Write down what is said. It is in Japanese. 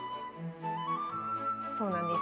そうなんです。